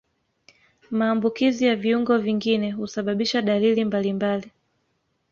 Maambukizi ya viungo vingine husababisha dalili mbalimbali.